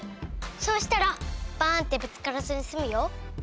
そうしたらバーンッてぶつからずにすむよ。